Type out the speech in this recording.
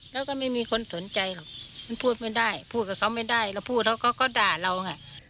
แล้วก็ไม่มีคนสนใจหรอกมันพูดไม่ได้พูดกับเขาไม่ได้เราพูดเขาก็ด่าเราไง